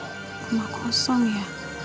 rumah kosong ya